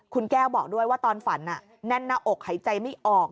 คุณแก้วบอกด้วยว่าตอนฝันแน่นหน้าอกหายใจไม่ออก